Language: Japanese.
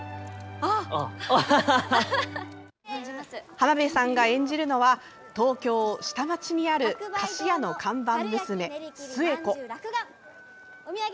浜辺さんが演じるのは東京・下町にある菓子屋の看板娘、寿恵子。